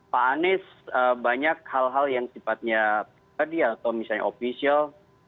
pak anies banyak hal hal yang sifatnya tadi atau misalnya official